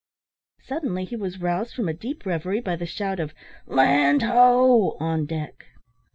Suddenly he was roused from a deep reverie by the shout of "Land, ho!" on deck.